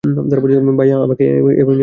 ভাই, আমাকে এভাবে নিয়ে যাওয়ার কারণটা কী?